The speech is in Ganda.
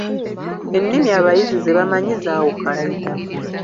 Ennimi abayizi ze bamanyi zaawukana.